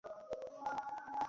চুপ কর রে।